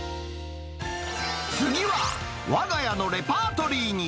次は、わが家のレパートリーに。